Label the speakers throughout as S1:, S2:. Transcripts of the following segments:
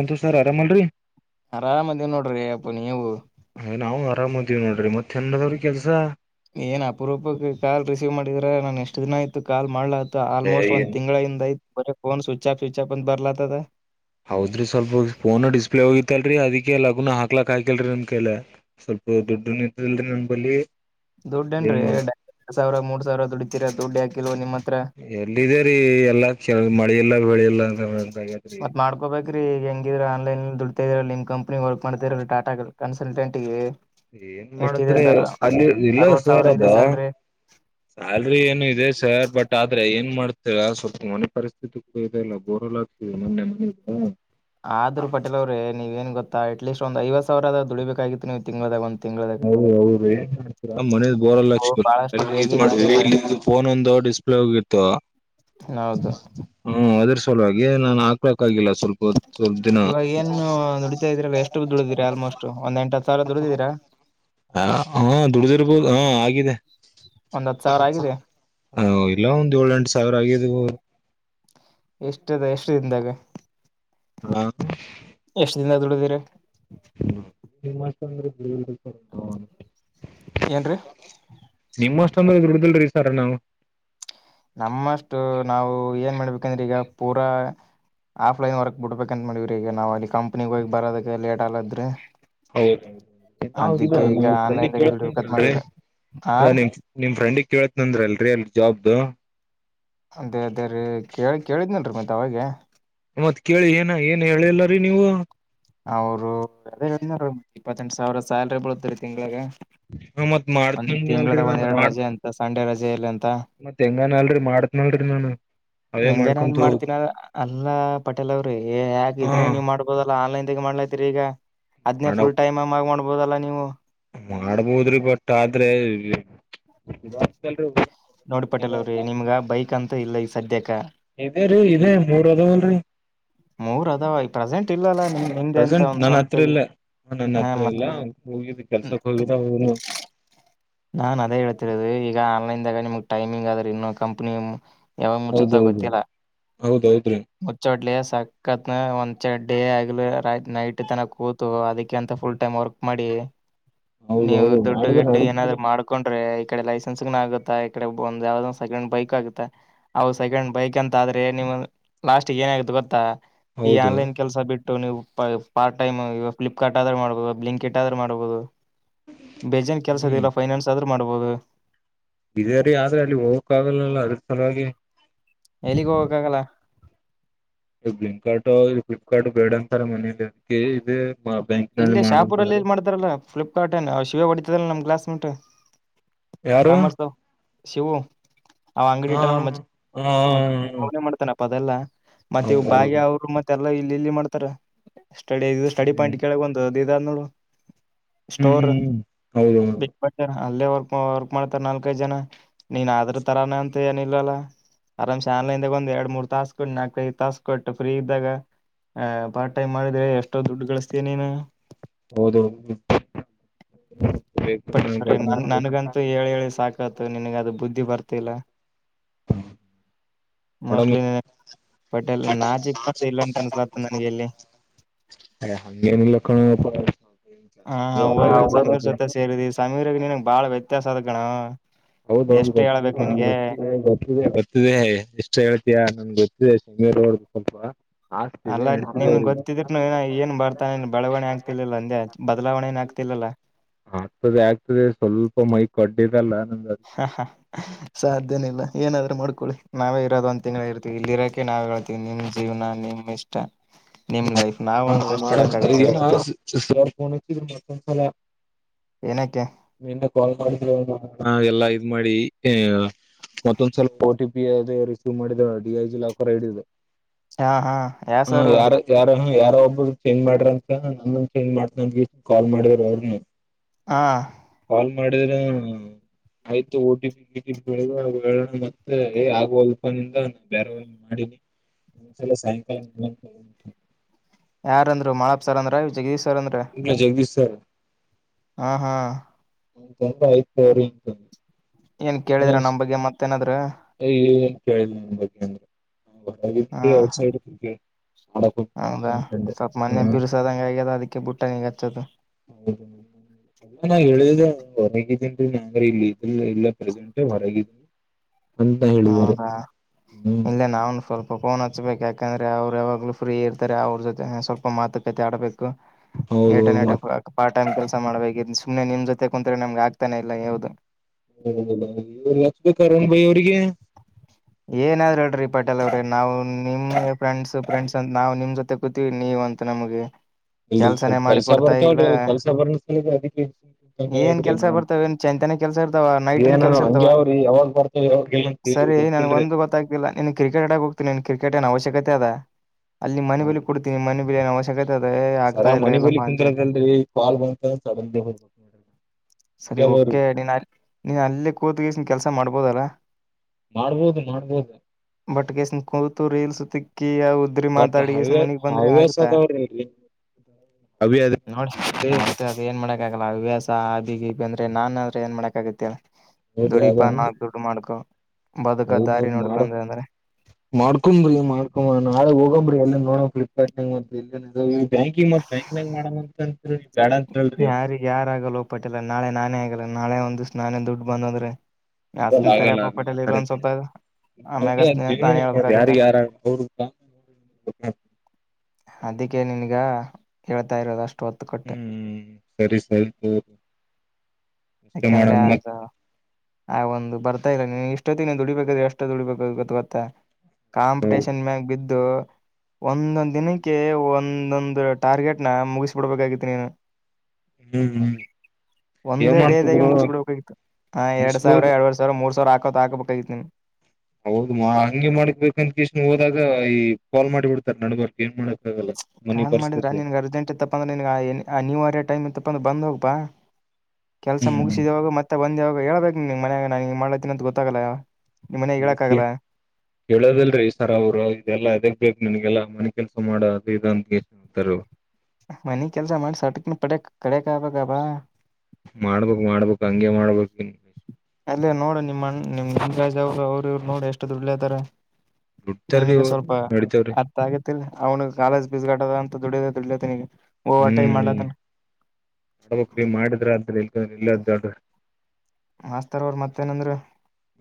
S1: ಒಂತೂ sir ಆರಾಮ ಅಲ್ರಿ
S2: ಆರಾಮದೇವ ನೋಡ್ರಿ ಅಪ್ಪ ನೀವು
S1: ಆರಾಮ್ದೀವಿ ನೋಡ್ರಿ ಮತ್ತೆ ಎನ್ನದವ್ರರು ಕೆಲ್ಸ
S2: ಏನ್ ಅಪರೂಪಕ್ಕೆ ಕಾ ರಿಸೀವ್ ಮಾಡಿದ್ರ ನಾನ ಎಷ್ಟು ದಿನ ಆಯತು ಕಾಲ್ ಮಾಡ್ಲಾ
S1: ಏ
S2: ಆಲ್ಮೋಸ್ಟ್ ಒಂದು ತಿಂಗಳ ಹ ಇಿಂದಐ ಬರ ೋನ್ ಸ್ವಿಚ್ ಆಫ್ ಸ್ವಿಚಪ್ ಬರಲ
S1: ಹೌದ್ರಿ ಸ್ವಲ್ಪ ಫೋನು ಡಿಸ್ಪ್ಲೇ ಹೋಗಿ ಲ್ರಿ ಅದಕ್ಕೆ ಲಗ್ುನ ಹಾಕ್ಲಾಕ್ ಆಯಕಲ್ರಿ ನನ್ ಕಲೆ ಸ್ವಲ್ಪ ದುಡ್ಡ ಇದಲ್ರಿ ನನ್ ಬಳಿ
S2: ದುಡ್ಡ ನ್ರಿ ಎ ಎರಡ್ ಸಾವಿರ ಮೂರ್ ಸಾವಿರ ದುಡಿತೀರಾ ದುಡ್ ಯಾಕಿಲೋ ನಿಮ್ಮತ್
S1: ಎಲ್ಲಿದೆೇರಿೀ ಎಲ್ಲಾ ಕೆ ಮಳೆ ಇಲ್ಲ ಬೆಳಿ ಎಲ್ಲ
S2: ಮತ್ ಮಾಡ್ಕೊಬೇಕ್ರಿ ಈಗ ಹೆಂಗಿದ್ರ ೈ ದುಡತಾ ಇದರ ನಿಮ್ಮ ಕಂಪ್ನಿ ವರ್ಕ್ ಮಾಡತಾ ಇರಲ್ಲ ಟಾಟಾ ಕನ್ಸಲ್ಟೆಂಟ್ಗೆ
S1: ಏನ್
S2: ಎಷ್ಟಿದೆ
S1: ಮಾಡುದ್ರೆ
S2: ಸರ್
S1: ಅಲ್ಲಿ ಇಲ್ಲ
S2: ಅರವತ್ ಸಾವಿರ
S1: ಸಾರದ
S2: ಇದೆ ಸ್ಯಾಲ್ರಿ
S1: ಸ್ಯಾಲ್ರಿ ಏನು ಇದೆ ಸರ್ ಬಟ್ ಆದ್ರೆ ಏನ್ ಮಾಡ್ತ ಸ್ವಲ್ಪ ಮನೆ ಪರಿಸ್ಥಿತಿ ಕೂಡ ಇದೆ ಇಲ್ಲ ಬೋರಲ್ಲ ಆಗ್ ಮೊೆ
S2: ಆದ್ರ ಪಟೇಲ್ ಅವ್ರೆ ನೀವ ಏನ್ ಗೊತ್ತ ಅಟ್ಲೀಸ್ಟ್ ಒಂದು ಐವ್ ಸಾವಿರ ಆದದ ದುಳಡಿಬೇಕಾಗಿತ್ತು ನೀವು ತಿಂಗಗಳದಾಗ ಒಂತ
S1: ಹೌದು ಅವ ಏನ್ ಮನದ ಬೋರಲ್ಲ
S2: ನೀವು
S1: ಅಕ್ಷ್ಮ
S2: ಬಹಳಷ್ಟು ಲೇಜಿ ಮಾಡ್ತಿದೀರ
S1: ಫೋನ್ ಒಂದ ಡಿಸ್ಪ್ಲಿತ್ತು
S2: ಹೌದು
S1: ಹ್ಮದ ಸಲುವಾಗಿ ನಾನು ಹಾಕ್ಲಕ್ಾಗಿಲ್ಲ ಸ್ವಲ್ಪ ಸ್ವಲ್ಪ ದಿನ
S2: ಇವಾಗ ಏನು ನುಡಿತಾ ಇದ್ರಲ್ಲ ಎಷ್ಟು ದುಡಿದಿರಾ ಆಲ್ಮೋಸ್ಟ್ ಒಂದ್ ಎಂಟ ಹದ ಸಿರ ದುಡಿದೀರಾ
S1: ಹ ಹಾ ದುಡ್ದಿರ್ಬೋದು ಹಾ ಆಗಿದೆ
S2: ಒಂದ್ ಹತ್ತು ಸಾವಿರ ಆಗಿದೆ
S1: ಹ ಇಲ್ಲ ಒಂದ್ ಏಳ ಎಂಟು ಸಾವಿರ ಆಗಿದವು
S2: ಎಷ್ಟ ಅದ ಎಷ್ಟು ದಿನದಾಗ
S1: ಹಾ
S2: ಎಷ್ಟ್ ದಿನ ದುಡಿದಿರ
S1: ಹ ನಿ ಮಾ ಅಂದ್ರೆ ಬಿಳ
S2: ಏನ್ರರಿ
S1: ಸಮ್ಮದದ ಉಡುದಲ್ ರೀ ಸಾರಣವು
S2: ನಮ್ಮಷ್ಟು ನಾವು ಏನ್ ಮಾಡ್ಬೇಕಂದ್ರೆ ಈಗ ಪೂರಾ ಆಫ್ಲೈನ್ ವರ್ಕ್ ಬಿಡ್ಬೇಕಂತ ಮಾಡವ್ರ ಈಗ ನಾವವು ಅಲ್ಲಿ ಕಂಪ್ನಿಗೆ ಹೋಗಿ ಬರೋದಕ್ಕೆ ಲೇಟ್ ಆಗದ್ರೀ
S1: ಹೌದೌ ನಾವ ್ರಂಡಿ
S2: ಆನ್ಲೈನ್ದಾಗ ದುಡಿಬೇಕಂತ
S1: ಕೇಳ್ತನಂತಲ್ರಿ
S2: ಮಾಡಿವ್ರಿ ಹಾ ರೀ
S1: ನಿಮ ನಿಮ್ ಫ್ರೆಂಡಗ್ ಕೇಳತ್ ನಂದ್ರ ಅಲ್ರರಿ ಅಲ್ ಜಾಬ್ದು
S2: ಅದೇ ಅದೇ ರೀ ಕೇಳಿ ಕೇಳಿದ್ನೇನ್ರೀ ಮತ್ ಅವಾಗ
S1: ಮತ್ ಕೇಳಿ ಏನ ಏನ್ ಹೇಳಿಲ್ಲರಿೀ ನೀವು
S2: ಅವರು ಇಪ್ಪತ್ತೆಂಟು ಸಾವಿರ ಸ್ಯಾಲ್ರಿ ಬಳತ್ ರರಿ ತಿಂಗಳಗ
S1: ಮತ್
S2: ಒ
S1: ಮಾಡ್ತನನ್ರಿ
S2: ತಿಂಗಳದಾಗ ಒಂದ್ ಎರಡು ರಜೆ ಅಂತ ಸಂಡೆ ರಜೆ ಇಲ್ಲ ಅಂತ
S1: ಮತ್ತತ್ ಹೆಂಗಾನ ಅಲ್ರಿ ಮಾಡತ್ನಲ್ರಿ ನಾನು ಅವೇ
S2: ಹೆಂಗನ ಅಲ್ಲಿ
S1: ಮಾಡ್ಕೊಂತ ಹೋಗ್ಬೇಕು
S2: ಮಾಡ್ತೀನ ಅಲ್ಲ ಪಟೇಲ್ ಅವ್ರಿ ಯಾಕ ಇದನೇ ನೀವ್ ಮಾಡ್ಬೋದಲ್ಲ ಆನ್ಲೈನ್ ಮಾಡ್ಲೈತಿರಿ ಈಗ ಅದ್ೇ
S1: ಮಾಡ
S2: ಫುಲ್ ಟೈಮ್ ಮ ಮಾಡ್ಬೋದಲ್ಲ ನೀವು
S1: ಮಾಡ್ಬೋದ್ರಿ ಬಟ್ ಆದ್ರೆಾಗಲ್
S2: ನೋಡ್ ಪಟ್ಟಲ್ ಅವ್ರೀ ನಿಮ್ಗ ಬೈಕ್ ಅಂತ ಇಲ್ಲ ಈ ಸದ್ಯಕ್ಕೆ
S1: ಇದೇ ರೀ ಇೇ ಮೂರ್ ಅದಲ್ರಿ
S2: ಮೂರ್ ಅದಾವ ಈ ಪ್ರೆಸೆಂಟ್ ಇಲ್ಲ ಅಲ್ಲ ನಿಮ ಹಿಂದೆ ಅಂತ
S1: ಪ್ರೆಸೆಂಟ್
S2: ಒಂದ
S1: ನನ್
S2: ಸ್ವಂತ ಹಾ ಮತ್ತೆ
S1: ಹೋಗ ಕೆಲ್ಸಕ್ಕೆ ಹ
S2: ಹ ನಾನ್ ಅದೇ ಹೇಳ್ತಿರೋದು ಈಗ ಆನ್ಲೈನ್ದಾಗ ನಿಮ್ಗ್ ಟೈಮಿಂಗ್ ಆದರಿ ಇನ್ನು ಕಂಪ್ನಿ. ಯಾವಾಗ ಮುಚ್ಚುತ್ತ
S1: ಹೌದೌದು
S2: ಗೊತ್ತಿಲ್ಲ
S1: ಹೌದೌದ್ರಿ
S2: ಮುಚ್ಚೋಟ್ಲೆ. ಟಕ್ಕತ್ ಒಂದ ಚಡ್ಡಿ ಆಗಲಿ ನೈಟ್ ತನ ಕೂತು ಅದಕ್ಕೆ ಅಂತ ಫುಲ್ ಟೈಮ್ ವರ್ಕ್ ಮಾಡಿ. ನೀವು
S1: ಹೌದೌದು
S2: ದುಡ್ಡು
S1: ಮಾಡಿದ್ರ
S2: ಗೀಡ್ಡು ಏನಾದ್ರು.
S1: ನಡದ್ರಿ
S2: ಮಾಡ್ಕೊಂಡ್ರೆ ಈ ಕಡೆ ಲೈಸೆನ್ಸ್ಗೂ ಆಗುತ್ತಾ ಈಡೆ ಒಂದ ಯಾವದೋ ಒಂದ ಸೆಕೆಂಡ್ ಬೈಕ್ ಆಗುತ್ತ ಅವು ಸೆಕಂಡ್ ಬೈಕ್. ಕಂತಾದ್ರೆ ನಿಮ ಲಾಸ್ಟಿಗ ಏನ ಆಗತ್ತ ಗೊತ್ತಾ ಈ
S1: ಹೌದು
S2: ಆನ್ಲೈನ್ ಕೆಲ್ಸ ಬಿಟ್ಟ. ಟ್ಟು ನೀವು ಪಾರ್ಟ ಟೈಮ್ ಇವು ಫ್ಲಿಪ್ಕಾರ್ಟ್ ಆದ್ರು ಮಾಡ್ಬೋದು ಬ್ಲಿಂಕೀಟ್ ಆದ್ರು ಮಾಡ್ಬೋದು. ಬೇಜಾನ್ ಕೆಲ್ಸದ ಇಲ್ಲ. ಎಲ್ಲದ್ರ ಮಾಡಬೋದು.
S1: ಇದೇರಿ ಆದ್ರ ಅಲ್ಲಿ ಹೋಗಕ್ ಆಗಲ್ಲಲ್ಲ ಅದ್ರ ಸಲುವಾಗೆ.
S2: ಎಲ್ಲಿಗ್ ಹೋಗಕ್ಕಾಗಲ್ಲ.
S1: ಇ ಬ್ಲಿಂಕ್ ಕಾರ್ಟ್ ಇ ಫ್ಲಿಪ್ಕಾರ್ಟ್ ಬೇಡ ಅಂತಾರೆ ಮನೇಲಿ ಅದಕ್ಕೆ ಇದೆ.
S2: ಇಲ್ಲೇ ಶಾಪುರಲ್ಲೇ ಇಲ್ಲ ಮಾಡ್ತಾರಲ್ಲ ಫ್ಲಿಪ್ಕಾರ್ಟ್ಏನ್ ಶಿವ ಹೊಡಿತದಲ್ಲ ನಮ್ ಕ್ಲಾಸಮಿಂಟ.
S1: ಯಾರು
S2: ಶಿವು ಅವ್ ಅಂಗಡಿ
S1: ಹಾ
S2: ಇಟ್ಟನ ನೋಡ ಮಚ
S1: ಹಾ
S2: ಮತ್ ಅವನೆ ಮಾಡ್ತಾನ. ಅದಲ್ಲ ಮತ್ತೆ ಇವು ಬಾಗ್ಯ
S1: ಹೌದೌದು
S2: ಅವರು ಮತ್ತೆಲ್ಲ ಇಲ್ಲಿ ಇಲ್ಲಿ ಮಾಡ್ತಾರ ಸ್ಟಡಿ ಇದು ಸ್ಟಡಿ
S1: ಹ್ಮ್
S2: ಪಾಯಿಂಟ್. ದು ಒಂದ ಇದು ಅದ ನೋಡು ಸ್ಟೋರ್
S1: ಹ್ಮ್ ಹೌದೌದು
S2: ಅಲ್ಲೇ ವರ್ಕ್ ವರ್ಕ್ ಮಾಡ್ತಾರ ನಾಲ್ಕೈದು ಜನ ನೀನ್ ಆದ್ರ ತರಾನ ಅಂತ ಏನಿಲ್ಲಲ್ಲ. ಆರಾಮಶೇ ಅನ್ಲೈನ್ದಾಗ ಒಂದ್ ಎರಡ್ ಮೂರ್ ತಾಸ ಕೊಟ್ಟು ನಾಲ್ಕೈಐದು ತಾಸಸ್ ಕೊಟ್ಟು ಫ್ರೀ ಇದ್ದಾಗ. ಹ ಪಾರ್ಟ್ ಟೈಮ್ ಮಾಡಿದ್ರೆ ಎಷ್ಟೋ ದುಡ್ಡು ಗಳಿಸ್ತೀಯ ನೀನು.
S1: ಹೊದುಳು.
S2: ಬಟ್ಟ ನನ್ಗಂತೂ ಹೇಳ ಹೇಳಿ ಸಾಕತು ನನ್ಗ ಅದು ಬುದ್ಧಿ ಬರ್ತ [unintelligible] ತ್ತಿಲ್ಲ.
S1: ಹ್ಮ ಒಡ
S2: ಪಟೇಲ್ ನಾಚಿಕ್ ಇಲ್ಲ ಅಂತ
S1: [unintelligible] ಹ [unintelligible]
S2: ಹ ಅವಗೆ ಸಮೀರ್ ಜೊತೆ ಸೇರಿದಿವಿ ಸಮೀರಗ ನೀನಗೆ ಬಾಳ ವ್ಯ ತ್ಯಸದ ಕಣೋ.
S1: ಹೌದೌದು ಗೊತ್ತಿದೆ ಕಣೋ ಗೊತ್ತಿದೆ ಗೊತ್ತಿದೆ ಗೊತ್ತಿದೆ ಎಷ್ಟು ಹೇಳ್ತಿಯಾ ನನ್ಗ ಗೊತ್ತಿದೆ. ಮೇಲ ಓಡದು ಸ್ವಲ್ಪ. ಆಸ್ತಿ ಇದೆ
S2: ಅಲ್ಲ
S1: ನಡ್ತಿದೆ
S2: ನಿನ್
S1: ಅವ್ರಿಗೆ
S2: ಗೊತ್ತಿದ್ನುಕ ನವ ಹೀನ ಬರ್ತಾನ್ ಬೆಳವಣಿ ಆಗ್ತಿಲಿಲ್ಲ ಅಂದೆ ಬದಲಾವಣೆ ಏನ ಆಗ್ತಿಲ್ಲ. ಲಿಲ್ಲ
S1: ಆಗ್ತದೆ ಆಗ್ತದೆ ಸ್ವಲ್ಪ ಮೈ ಕೊಡ್ಡಿದೆಲ್ಲ.
S2: ಹಾ ಹ ಸಾಧ್ಯನೆ ಇಲ್ಲ ಏನಾದ್ರೂ ಮಾಡ್ಕೊಳ್ಳಿ. ನಾವೇ ಇರೋದ ಒಂದ್ ತಿಂಗಳ ಇರ್ತವಿ ಇಲ್ಲಿ ಇರೋಕ ನಾವೇ ಹೇಳ್ತೀವಿ ನಿಮ್ಮ ಜೀವನ ನಿಮ ಇಷ್ಟ. ನಿಮ್ ಲೈಫ್ ನಾವ್
S1: ಅೋಣ
S2: ಅಂತ ಎಷ್ಟ್
S1: ಮತ್ತ
S2: ಹೇಳಕ್ ಆಗತ್ತ ಹೇಳ
S1: ಸ್ಲ [unintelligible]
S2: ಏನಕ್ಕೆ
S1: ಏನ್ರ ಕಾಲ್ ಮಾಡಿದ್ರೂ ಏನೋ ಇಲ್ಲ ಇದ್ ಮಾಡಿ ಏ ಮತ್ತೊಂದ ಸ್ಪಲ್ಪ ಓ ಟಿ ಪಿ ಅದೆ ರಿಸೀವ್ ಮಾಡಿದ ಡಿಐಜಿ ಲಾಕರ್ ಐಡಿದು.
S2: ಹಾ ಹಾ ಯಾ ಸರು
S1: ಯಾರೋ ಒಬ್ರು ಚೇಂಜ್ ಮಾಡ್ರ ಅಂತ ನನ್ನನ ಚೇಂಜ್ ಮಾಡ್ತವಿ ಕಾಲ್ ಮಾಡಿದ್ರ ಅವ್ರನು.
S2: ಆ
S1: ಕಾಲ್ ಮಾಡಿದ್ರ ಆಯ್ತು ಓ ಟಿ ಪಿ ಗಿಟಿಪಿ ಕೇಳದು ಮತ್ತೆ [unintelligible] ಆಗುವಲ್ದಾಪ ನಿಂದ ಬ್ಯಾರೆ ಮಾಡ ಸಾಯಂಕಲ್ [unintelligible]
S2: ಯಾರಂದ್ರು ಮಾಳಪ್ಪ ಸರ್ ಅಂದ್ರ ಜಗದೀಶ್
S1: ಇಗ್ಲೆ ಜಗದೀಶ್ ಸರ್
S2: ಆಹ್ ಹಾ
S1: ಅಂತಂದ ಐತೋರಿತಂದ.
S2: ಏನ್ ಕೇಳ್ಯರ ನಮ್ ಬಗ್ಗೆ ಮತ್ತೇಏನಾದ್ರು.
S1: ಕೇಳಿಲ್ಲ ನಿಮ್ಮ ಬಗ್ಗೆನೂ ನಂಗ ಗೊತ್ತಾಗಿತ್ತಬೀ
S2: ಹ
S1: ಔಟ ಸೈಡ್ ಮಾಡಕ್
S2: ಹೌದಾ
S1: ಅಂತಂತಂದೆ
S2: ಸ್ವಲ್ಪ ಮೊನ್ನೆ
S1: ಹ್ಮ
S2: ಬಿರ್ಸದಂಗ ಆಗ್ಯದ ಅದಕ್ಕೆ ಬುಟ್ಟ ನೀಗ್ ಹಚ್ಚದು
S1: ಹೌ ಎ ನ ಹೇಳಿದೆ ಹೊರಗಿದ್ದೀನ್ೀ ನಂಗ್ರ ಇಲ್ಲಿ ಇಲ್ಲ ಇಲ್ಲ ಪ್ರೆಸೆಂಟ್ ಹೊರಗಿದೀಿ
S2: ಹೌದಾ ಇಲ್ಲ ನಾನ್ ಸ್ವಲ್ಪ ಕೋನ್ ಹಚ್ಬೇಕು ಯಾಕಂದ್ರೆ ಅವ್ರರು ಯಾವಾಗಲ ಫ್ರೀ ಇರ್ತ ಅವ್ರ ಜೊತೆ ಸ್ವಲ್ಪ ಮಾತುಕತೆ ಆಡಬೇಕು
S1: ಹೌದೌದು ಮತ್ತ
S2: ಟನ್ಟ ಪಠ ಮಾಡ್ಬೇಕ ಸುಮನೆ ನಿಮ್ ಜೊತೆ ಕುತ್ರೆ ನಮ್ಗೆ ಆಗ್ತಾನೆ ಇಲ್ಲ ಯಾವ್ದದು
S1: ಹ ಲಭ ಕಂಗ ಭ
S2: ಏನಾದ್ರೂ ಹೇಳ ರೀ ಪಾಟಲ್ ಅವ್ರ ನಾವು ನಿಮ್ ಫ್ರೆಂಡ್ಸ್ ಫ್ರೆಂಡ್ಸ್ ಅಂತ ನಾವು ನಿಮ್ ಜೊತೆ ಕೂತವಿ ನೀವ ಅಂತ ನಮಗೆ
S1: ಇಲ್ರಿ
S2: ಕೆಲ್ಸನೇ
S1: ಸ್ವಲ್ಪ
S2: ಮಾಡಿ
S1: ಕೆಲ್ಸ
S2: ಕೊಡ್ತಾ ಇಲ್ಲ
S1: ಬರ್ತಾವ್ರಿ ಅವ ಕೆಲ್ಸ ಬರ್ ಸಲ ಅದಕ್ಕೆ
S2: ಏನ್
S1: ಹಂಗಾಗ್ರಿ
S2: ಕೆಲ್ಸ
S1: ನಾನ್
S2: ಬರ್ತವ ನ್ ಚ ಮ್ದನೆ ಕೆಲ್ಸ ಇರ್ತಾವ ನೈಟ್ನ್
S1: ಏನಾನ
S2: ಕೆಲ್ಸ ಇರ್ತಾವ
S1: ಹಂಗೆ ಅವ್ರಿ ಯಾವಾಗ ಬರ್ತಾವ ಯಾವಾಗಲ್ಲ ಅಂತ ಹೇಳಿ
S2: ಸರಿ ನನ್ಗ
S1: ಗೊತ್ತಿಲ್ರಿ
S2: ಒಂದು ಗೊತ್ತಾಗ್ತಿಿಲ್ಲ ನಿನ್ ಕ್ರಿಕೆಟ್ ಆಡಕ್ ಹೋಗ್ತೀನಿ ನೀನ್ ಕ್ರಿಕೆಟ್ ಏ ಅವಶ್ಯಕತೆ ಅದಾ ಅಲ್ಲಿ ಮನೆ ಬಲೆ ಕೊಡ್ೀಿ ಮನೆ ಬೆಲಿನನ್ನು ಅವಶ್ಯಕತೆ ಅದೇ
S1: ಸರ
S2: ಆಗ್ತಾ ಇಲ್ಲ
S1: ಮನೆಿ ಬಲಿ
S2: ಇಲ್ಲಪ್ಪಾ ಅಂತ ಹೇಳಿ
S1: ಕುಂರದಲ್ರಿ ಕಾಲ್ ಬಂತ ಹ್ಬೇಕ
S2: ಸರಿ ಓಕೆ ನೀನ್ ನೀನ್ ಅಲ್ಲಿ ಕೂತ್ನ್ ಕೆಲ್ಸ ಮಾಡಬೋದಲ್ಲ
S1: ಮಾಡ್ಬೋದು ಮಾಡ್ಬೋದು
S2: ಬಟ್ಸ ಕೂು ರೀಲ್ ಸ ಅಕ್ಕಿ ಯ ಉದ್ರಿ
S1: ಬಟ್
S2: ಮಾತಾಡಿ ಎಷ್ಟ
S1: ಹವ್ಯ
S2: ಮನಗ್ ಬಂದ್ರೆ
S1: ಹವ್ಯಾಸ
S2: ಆಗತ
S1: ಅದಾವ್ರಿ ಅವಿ ಅದ
S2: ನೋಡ
S1: ಮುಂದೆ
S2: ಅ ಏನ್ ಮಾಡ ಹಲ್ಲ ಹ ವ್ಯಾಸ ಬಿಿಗೆಿ ಬ ಅಂದ್ರೆ ನನ್ ಅಂದ್ರೆ ಏನ್ ಮಾಡಕ ಆಗತ್ತೆ ದುಡಪ ನಾಕ್ ದುಡ್ಡು ಮಾಡ್ಕು
S1: ಹೌದ್ ಹೌದ್ ಮಾಡ ಮಾಡ್ಕೊಬ್ರಿ ಮಾಡ್ಕೊ ನಾಳೆ ಹೋಗಂಬ್ರಿ ಎಲ್ಲ ನೋಡಕ್ ಬ್ಯಾಂಕಿಂಗ್ ಮ ಬ್ಯಾಂಕ್ನಂಗ್ ಮಾಡ್ ಅಂತಂತ
S2: ಯಾರಿಗ ಯಾರ ಆಗಲ್ಲ ಹೋಗ್ಪಟ್ಟಿಿಲ್ಲಲ್ಲ ನಾಳೆ ನಾನೇ ಆಗಲ್ಲ ನಾಳೆ ಒಂದ್ಷ್ಟ ನಾನೇ ದುಡ್ಡು ಬಂದೋದ್ರೆ
S1: ಹಾಗೆಲ್ಲೆಲ್ಲೆಲ್ಲ ಅಖಖರೆ
S2: ಆಮ್ಯಾಗ
S1: ನ
S2: ಹಚ್ತಿನಿ ಅಂತ
S1: ಜೀವನು
S2: ನಾನೇ ಹೇಳ್ಬೇಕಾಗತ್ತ
S1: ಯಾರು ಯಾರ
S2: ಅದಕ್ಕೆ ನಿನ್ಗ ಹೇಳ್ತಾ ಇರೋದ ಅಷ್ಟು ಹೊತ್ತು ಕೊಟ್ಟು
S1: ಹ್ಮ್ ಸರಿ ಸರಿ ಅಷ್ಟೇ
S2: ಯಾಕಂದ್ರೆ
S1: ಮಾಡಮ್ ಮತ್
S2: ಹ ಒಂದು ಬರ್ತಾ ಇಲ್ಲ ನೀ ಇಷ್ಟೊತ್ತ ನೀ ದುಡಿಬೇಕಾದ್ರೆ ಎಷ್ಟೊ ದುಡಿಬೇಕ ಗೊ ಗೊತ್ತಾ ಕಾಂಪಿಟೇಷನ್ ಮ್ಯಾಗ ಬಿದ್ದು ಒಂದೊಂದ್ ದಿನಕ್ಕೆ ಒಂದೊಂದು ಟಾರ್ಗೆಟ್ನ ಮುಗಿಸ್ಬಿಡ್ಬೇಕಾಗಿತಿ ನೀನು
S1: ಹ್ಮ್ ಹ್ಮ್ ಮಾಡ
S2: ಮುಗಸ್ಬ ಬಿಡ್ಬೇಕಾಗಿತ್ತು ಎರಡ್ ಸಾವಿರ ಎರವರ್ ಸಾವಿರ ಮೂರ್ ಸಾವಿರ ಹಾಕ ಹಾಬೇಕಾಗಿತ್ತು ನಿಮ್
S1: ಹೌದು ಹಂಗೆ ಮಾಡಕ್ಬೇಕಂತ ಕೀಷ್ಣ ಹೋದಾಗ ಈ ಪಾಲ್ ಮಾಡಿ ಬಿಡ್ತಾರ್ ನಡ್ಬರ್ಕ್ ಏನ್ ಮಾಡ
S2: ಕಾಲ್ ಮಾಡಿದ್ರ ನಿನ್ಗೆ ಅರ್ಜೆಂಟ್ ಇತ್ತಪ್ಪ ಅಂದ್ರೆ ನಿನ್ ನೀವು ಅರೇ ಟೈಮ ಇತ್ತಪ್ಪ ಬಂದ್ ಹೋಗ್ಪಾ ಕೆಲ್ಸ ಮುಗಿಸಿದವಾಗ ಮತ್ತೆ ಬಂದವಾಗ ಹೇಳ್ಬೇಕು ನೀ ನಿನ್ ಮಯಾಗ ನಾನ್ಂಗ ಮಾಡಲಾತೀಿ ಅಂತ ಗೊತ್ತಾಗಲ್ಲ ನಿಮ್ಮ ಮನ್ಯಾಗ
S1: ಈ
S2: ಹೇಳಕ್ಕಾಗಲ್ಲ
S1: ಹೇಳೋದಲ್ರೀ ಸರ್ ಅವರು ಇದೆಲ್ಲಾ ಅದಗ್ ಬಕ್ ನನ್ಗೆಲ್ಲಾ ಮನ್ ಕೆಲ್ಸ ಮಾಡ ಅದು ಇಂದಂತಾರ
S2: ಮನಿ ಕೆಲ್ಸ ಮಾಡಿ ಸಟಕ್ನ ಪಡಕ್ ಕಡಕ್ ಆಗ್ಬಬ
S1: ಮಾಡ್ಬೇಕಕ್ ಮಾಡ್ಬೇಕಕ್ ಹಂಗೆ ಮಾಡ್ಬೇಕಕ್ನ್
S2: ಅಲ್ಲೇ ನೋಡ ನಿಮ್ಮಣ್ಣ ನಿಮ್ ದಂಗರಾಜ್ ಅವರು ಅವ್ರ ಇವ್ರು ನೋಡಿ ಎಷ್ಟು ದುಡ್ಡಲೇತಾರೆ
S1: ದುಡ್ತಾರೀ
S2: ನಿನಗ
S1: ಅವ್ರು
S2: ಸ್ವಲ್ಪ
S1: ನಡಿತೇವ್ರಿ
S2: ಅರ್ಥ ಆಗೇತಿಲ್ಲ ಅವನಗ ಕಾಲೇಜ್ ಬೀಸ್ಗಾಡ್ [unintelligible] ಅಂತ ದುಡಿಯ ದುಡಿಯತನಿಗೆ ಓ ಆಟ ಈ ಮಾಡ್ಲತ
S1: ಮಾಡಡ್ಬ್ರೀ ಮಾಡಿದ್ರ ಅದ್ರ ಎ ಇಲ್ಲ ದೊಡ್ರ
S2: ಮಾಸ್ತರ್ ಅವರು ಮತ್ತೇನಂದ್ರ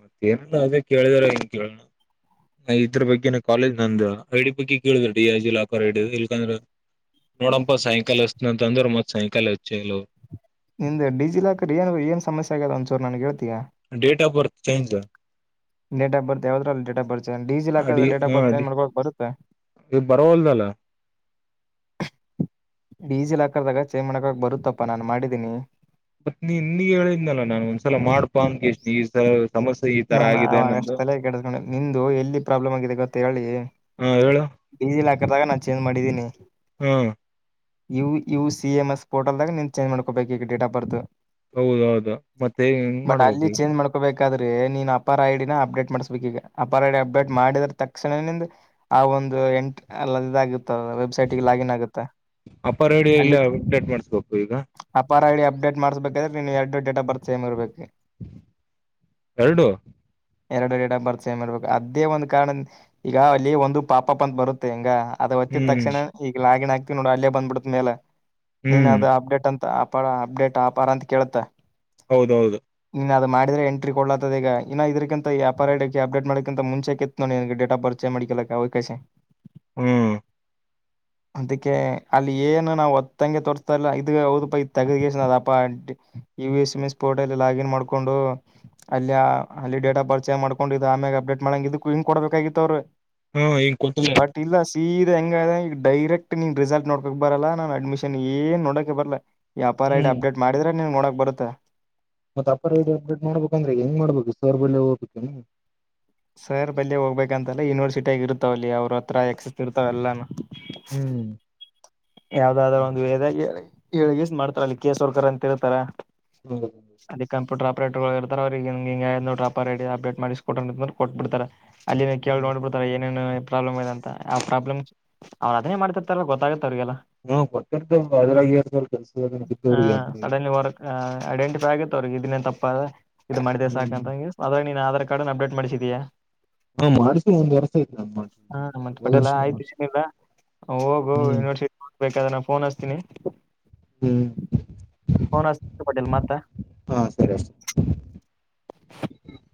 S1: ಮತ್ತೇಏನ ಅದೇ ಕೇಳಿದಾರ ನ್ ಕೇಳನ ಇದ್ರ ಬಗ್ಗೆನ ಕಾಲೇಜ್ ನಂದ ಐಡಿ ಬಗ್ಗೆ ಕೇಳುದ್ರ D I G locker ID ಇಲ್ಕಂದ್ರೆ ನೋಡಪ ಸೈಕಲ್ ಎಸ್ನಂತ ಅಂದ್ರರು ಮತ್ತೆ ಸೈಕಲ್ ಹೆಚ್ಚಲ್ಲ
S2: ನಿಂದ ಡಿಜಿ ಲಾಕರ್ ಏನು ಏನ್ ಸಮಸ್ಯೆ ಆಗ್ಯದ ಒಂದ್ಸರು ನನ್ ಹೇಳ್ತೀಾ
S1: date of birth change [unintelligible]
S2: date of birth ಹೇಳಿದರ ಡೇಟ್ ಆಫ್ ಬರ್ತ್? [unintelligible] ಜನ ಡಿಜಿಲ ಹಾಕಿದರ
S1: ಅಡಿ
S2: ಡೇಟಾ
S1: ಹ
S2: ಬರ್ತ್ ಚೇಂಜ್
S1: ಅಡಿ
S2: ಮಾಡ್ಕು ಬರುತ್ತ?
S1: ಬರವಲ್ದಲ್ಲ
S2: [unintelligible] ಡಜಿಲಾಕರ್ದಾಗ ಚೇಂಜ್ ಮಾಡಕಕ ಬರುತ್ತಪ್ಪಾ ನಾನ ಮಾಡಿದ್ದೀನಿ. [unintelligible]
S1: ಮತ್ತ ನೀ ನಿ ಹೇಳಿದ್ನಲ್ಲ ನಾನ್ ಒಂದ್ಸಲ ಮಾಡ್ಪಾ ಅಂದ ಎಷ್ಟ ದೀಸ [unintelligible]
S2: ನಾನ ಅವಾಗಷ್ಟ ತಲೆ ಕೆಡಸಕೊಂಡಿಲ್ಲಾ ನಿಂದು ಎಲ್ಲಿ ಪ್ರಾಬ್ಲಮ್ ಆಗಿದೆ ಗೊತ್ತ ಹೇಳಲ್ಲಿ,
S1: ಹಾ ಹೇಳು
S2: [unintelligible] ಡೀಸಿಲ್ ಹಾಕದಾಗ ನಾನ್ ಚೇಂಜ್ ಮಾಡಿದ್ದೀನಿ. [unintelligible]
S1: ಹ [unintelligible]
S2: ನೀವು ಕೀವ್ ಸಿ ಎಂ ಎಸ್ ಪೋಟಲ್ದಾಗ ನಿನ್ ಚೇಂಜ ಮಾಡ್ಕೊಬೇಕು ಈಗ ಡೇಟ್ ಆಫ್ ಬರ್ತ್. [unintelligible]
S1: ಹೌದ ಹೌದ ಮತ್ತೆ ಹೆಂಗ್ ಮಾಡ್ಬೇಕ ಈಗ್ [unintelligible]
S2: ಏ ನೀನ್ ಅಪಾರ್ ಐಡಿನ ಅಪ್ಡೇಟ್ ಮಾಡಸ್ಬೇಕು ಈಗ ಅಪಾರ ಐಡಿ ಅಪ್ಡೇಟ್ ಮಾಡಿದ್ರ ತಕ್ಷಣ ನಿಂದ ಆ ಒಂದ್ [unintelligible] ಇವಾಗ ಎಂಟ ಅಲ್ಲ ಇದ ಆಗತ್ತ ವೆಬ್ಸೈಟ್ಗೆ ಲಾಗಿನ್ ಆಗುತ್ತೆ.
S1: ಅಪ್ಪ ರೇಡಿಯೋ ಇಲ್ಲ
S2: ಅಲ್ಲಿ
S1: ಅಪ್ಡೇಟ್ ಮಾಡ್ಸ್ಬೇಕು ಈಗ
S2: [unintelligible] ಅಪಾರ ಐಡಿ ಅಪ್ಡೇಟ್ ಮಾಡ್ಸ್ಬೇಕಾದ್ರೆ ನೀನು ಎರಡು ಡೇಟ್ ಆಫ್ ಬರ್ತ್ ಸೇಮ್ ಇರ್ಬೇಕು. [unintelligible]
S1: ಎರಡು [unintelligible]
S2: ಎರಡುಡ ಬರ್ತಸ ಮಾಡರ್ಬೇಕು ಅದೇ ಒಂದ ಕಾರಣ ಈಗ ಅಲ್ಲಿ ಒಂದು ಪಾಪಪ್ಪ ಅಂತ ಬರುತ್ತೆ ಹಿಂಗ, [unintelligible] ಅದು ಒತ್ತಿದ
S1: ಹ್ಮ್
S2: ತಕ್ಷಣ ಈಗ ಲಾಗಿನ್ ಆಗ್ತಿ ನೋಡ ಅಲ್ಲೇ ಬಂದ್ಬಿಡತ ಮೇಲೆ ನೀನ್
S1: ಹ್ಮ್
S2: ಅದ ಅಪ್ಡೇಟ್ ಅಂತ [unintelligible] ಬಾಳ್ ಅಪ್ಡೇಟ್ ಆಪಾರ ಅಂತ ಕೇಳ್ತಾ? [unintelligible]
S1: ಹೌದ ಹೌದ [unintelligible]
S2: ನೀ ಅದನ ಮಾಡಿದ್ರೆ [unintelligible] ಟ್ರೀ ಕೊಡ್ಲತದ ಈಗ ಇನ್ನ ಇದ್ರಕ್ಕಿಂತಪ ಅಪ್ಡೇಟ್ ಮಾಡಲಿಕ್ಕಂತ ಮುಂಚೆಕಿತ್ತ ನೀನ್ ಡೇಟ್ ಆಫ್ ಬರ್ತ ಚೇಂಜ್ ಮಾಡಕ ಅವರ [unintelligible] ಚಾ [unintelligible]
S1: ಹೂ [unintelligible]
S2: ಹ ಅದಕ್ಕೆ ಅಲ್ಲಿ ಏನು ನಾವು ಅತ್ತಂಗೆ ತೋರಿಸ್ತಾ ಇಲ್ಲ ಇದು ಅವರ ಪೆಪ್ ತಗದ ವಗಿ ಪಾ [unintelligible] E S M S portal login ಮಾಡ್ಕೊಂಡು ಅಲ್ಲಿ ಅಲ್ಲಿ ಡೇಟ್ ಆಫ್ ಬರ್ತ್ ಚೇಂಜ್ ಮಾಡ್ಕೊಂಡು ಇದು ಆಮ್ಯಾಗ ಅಪ್ಡೇಟ್ ಮಾಡಂಗ ಇದ ಹಿಂಗ ಕೊಡಬೇಕಾಗಿತ್ತ ಅವ್ರರ [unintelligible]
S1: ಹ ಈಗ ಕುನತಿನ್ನ ನೋಡ [unintelligible]
S2: ಸೀದ ಹೆಂಗ ಹೇಳ್ ಡೈರೆಕ್ಟ್ ನೀನ್ ರಿಸಲ್ಟ್ ನೋಡ್ಕಕ್ ಬರಲ್ಲ ನಾನ್ ಅಡ್ಮಿಷನ್ ಏನ್ ನೋಡಕ ಬರಲ್ಲ? [unintelligible] ನೀ ಅಪಾರ ಐಡಿ ಅಪ್ಡೇಟ್ ಮಾಡಿದ್ರೆ ನೀನ್ ನೋಡಕ್ ಬರುತ್ತ. [unintelligible]
S1: ಮತ್ತ ಅಪರ್ ಅಪ್ಡೇಟ್ ಮಾಡ್ಬೇಕುಂದ್ರ ಹೆಂಗ ಮಾಡ್ಬೇಕು ಸರ್ ಬಲೀ ಹೋಗ್ಬೇಕ ಏನ್? [unintelligible]
S2: ಸರ್ ಬಲ್ಲಿ ಹೋಗ್ಬೇಕಂತಲ್ಲ ಯೂನಿವರ್ಸಿಟಿಯಗ ಇರ್ತಾವಲ್ಲಿ ಅವ್ರ ಹತ್ರ ಎಕ್ಸಸ್ ಇರ್ತಾವ ಎಲ್ಲಾನೂ [unintelligible]
S1: ಹ್ಮ್
S2: ಯಾವ್ದಾದ್ರರು ಒಂದು ಬೇದ ಅಲ್ಲಿ ಏಳಗೀಸಿ ಮಾಡ್ತಾರಲ್ಲಿ ಕೇಸ್ ವರ್ಕ್ಕರ್ ಅಂತ ಹೇಳ್ತಾರ, [unintelligible] ಸಾಲಿ ಕಂಪ್ಯೂಟರ್ ಆಫ್ [unintelligible] ಆಪರೇಟರ್ಗಳ ಇರ್ತಾರ ಅವರಿಗ್ ಹಿಂಗ್ ಹಿಂಗ ಆಗಿತರಿ ನೋಡ್ ಆಪರೇಟ ಅಪ್ಡೇಟ್ ಮಾಡಿಸ ಕೊಡ ಅಂದ್ರ ಕೊಟ್ಬ ಬಿಡ್ತಾರ? [unintelligible] ಅಲ್ಲಿನ ಕೇಳಿ ನೋಡಬೀಡ್ತಾರೆ ಏನೇನು ಪ್ರಾಬ್ಲಮ್ ಇದೆ ಅಂತ ಆ ಪ್ರಾಬ್ಲಮ್ [unintelligible] ಆನೆ ಮಾಡತಿರ್ತಾರ ಗೊತ್ತಾಗತ್ತ ಅವ್ರರಿಗೆಲ್ಲ? [unintelligible] ಹ
S1: ಹಾ ಕೊಟ್ಟಿರ್ತ ಅದ್ರಾಗ ಎರಡ್ ಸಾವಿರ ಕೆಲ್ಸದಾಗ
S2: [unintelligible]
S1: ಬಿದ್ದವ್ರಿಗೆ ಅದ್ರಾಗ
S2: ಸಡನ್ ವರ್ಕ್ ಐಡೆಂಟಿಫೈ ಆಗ ಹಂತೂರಿಗ ಇದನೇ ತಪ್ಪ ಇದು ಮಾಡಿದೆ
S1: ಹ್ಮ್
S2: ಸಾಕಂತಂಗ ಅದರಾಗ ನೀನ್ ಆಧಾರ್ ಕಾರ್ಡ್ನ್ ಅಪ್ಡೇಟ್ ಮಾಡ್ಸಿದಯಾ?
S1: ಹಾ ಮಾಡ್ಸಿ ಒಂದ್ ವರ್ಷ
S2: [unintelligible]
S1: ಆಯ್ತು ನಾನ್ ಮಾಡ್ಸಿ
S2: ಹಾ
S1: ಹೋದ
S2: ಮಪಟ್ಟೆಲ್ಲ
S1: ವರ್ಷ
S2: ಆಯ್ತು
S1: ಮಾಡ್ಸಿ
S2: ಇಡಲ್ಲ್? [unintelligible] ಹೋಗು
S1: ಹ್ಮ್
S2: ಯೂನಿವರ್ಸಿಟಿ ಮುಟಬೇಕಾದರ ನಾ ಫೋನ್ ಹಸ್ತೀನಿ.
S1: ಹ್ಮ್
S2: [unintelligible] ಫೋನ್ ಹಚ್ಚುತ್ತೇನ ಪ ಮತ್ತ
S1: ಹಾಂ ಸರಿ ಅಷ್ಟೇ
S2: [unintelligible] [unintelligible]